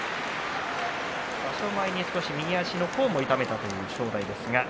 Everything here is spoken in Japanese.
場所前に少し右足の甲を痛めたという正代です。